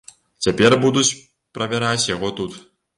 Цяпер будуць правяраць яго тут.